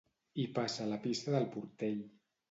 Hi passa la Pista del Portell.